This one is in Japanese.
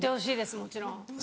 もちろん。